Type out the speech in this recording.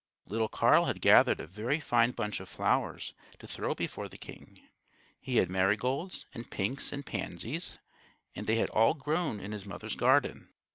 Little Carl had gathered a very fine bunch of flowers to throw before the king. He had marigolds and pinks and pansies, and they had all grown in his mother's garden.